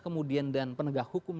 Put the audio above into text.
kemudian dan penegak hukum